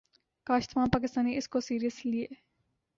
کاش تمام پاکستانی اس کو سیرس لیے